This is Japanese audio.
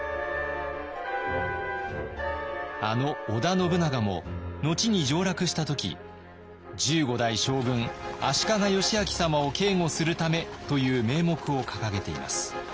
あの織田信長も後に上洛した時１５代将軍足利義昭様を警護するためという名目を掲げています。